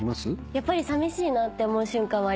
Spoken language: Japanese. やっぱりさみしいなって思う瞬間はありましたか？